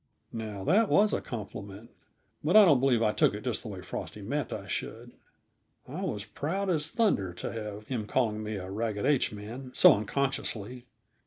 Now, that was a compliment, but I don't believe I took it just the way Frosty meant I should. I was proud as thunder to have him call me a "Ragged H man" so unconsciously.